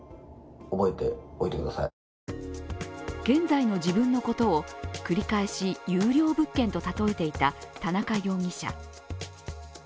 現在の自分のことを繰り返し、優良物件と例えていた田中容疑者。